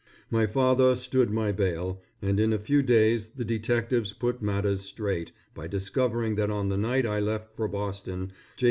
My father stood my bail, and in a few days the detectives put matters straight by discovering that on the night I left for Boston, J.